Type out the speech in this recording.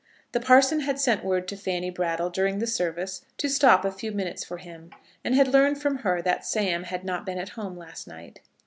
The parson had sent word to Fanny Brattle during the service to stop a few minutes for him, and had learned from her that Sam had not been at home last night.